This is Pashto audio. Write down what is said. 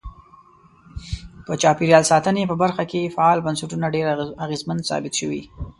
په چاپیریال ساتنې په برخه کې فعال بنسټونه ډیر اغیزمن ثابت شوي.